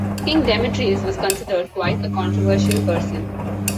King Demetrius was considered quite a controversial person.